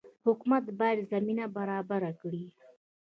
حکومت باید زمینه برابره کړي